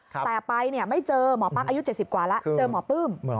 แต่ไปไม่เจอหมอปั๊กอายุ๗๐กว่าแล้วเจอหมอปลื้ม